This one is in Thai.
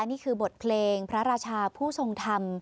นี่คือบทเพลงพระราชาผู้ทรงธรรม